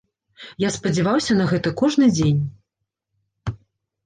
Я спадзяваўся на гэта кожны дзень.